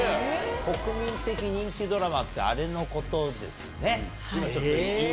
国民的人気ドラマって、あれのこはい。